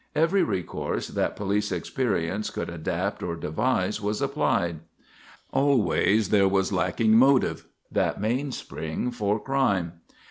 Every recourse that police experience could adapt or devise was applied. Always there was lacking motive: that mainspring for crime.